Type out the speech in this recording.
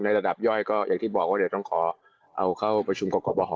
ระดับย่อยก็อย่างที่บอกว่าเดี๋ยวต้องขอเอาเข้าประชุมกรบห